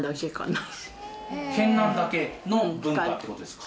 県南だけの文化って事ですか？